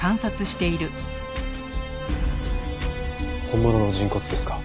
本物の人骨ですか？